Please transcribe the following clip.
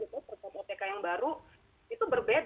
perpustakaan otk yang baru itu berbeda